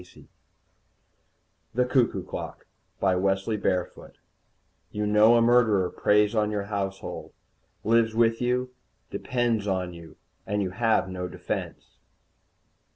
net THE CUCKOO CLOCK BY WESLEY BAREFOOT _You know a murderer preys on your household lives with you depends on you and you have no defence!